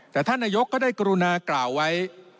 แต่ท่านนายกก็ได้กรุณากล่าวไว้